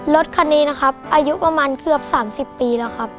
รถคันนี้นะครับอายุประมาณเกือบ๓๐ปีแล้วครับ